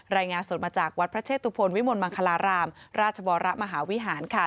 รายงานสดมาจากวัดพระเชตุพลวิมลมังคลารามราชวรมหาวิหารค่ะ